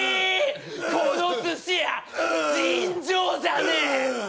このすし屋、尋常じゃねぇ！